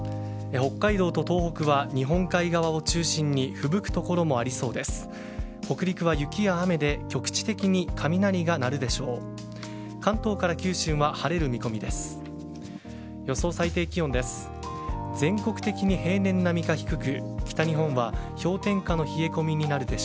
北海道と東北は日本海側を中心にふぶく所もありそうです。